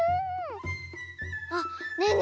あっねえね